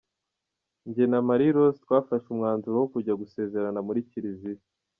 Njye na Marie-Rose twafashe umanzuro wo kujya gusezerana mu kiliziya.